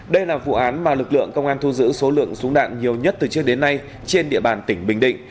đây là vụ án mà lực lượng công an thu giữ số lượng súng đạn nhiều nhất từ trước đến nay trên địa bàn tỉnh bình định